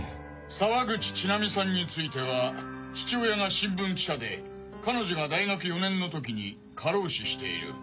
沢口ちなみさんについては父親が新聞記者で彼女が大学４年の時に過労死している。